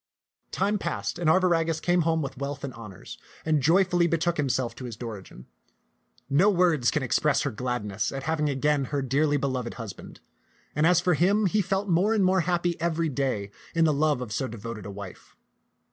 Time passed, and Arviragus came home with wealth and honors, and joyfully betook himself to his Dorigen. No words can express her gladness at having again her dearly beloved husband ; and as for him, he felt more and more happy every day in the love of so devoted a wife.